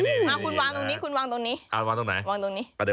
คุณวางตรงนี้